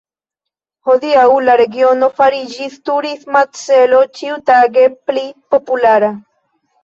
Hodiaŭ la regiono fariĝas turisma celo ĉiutage pli populara.